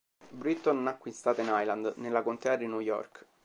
Britton nacque in Staten Island nella contea di New York.